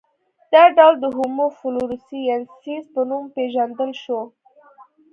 دا ډول د هومو فلورسي ینسیس په نوم پېژندل شو.